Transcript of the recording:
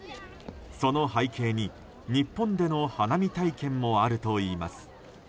その背景に、日本での花見体験もあるといいます。